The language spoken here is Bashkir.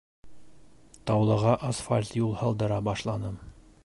Таулыға асфальт юл һалдыра башланым.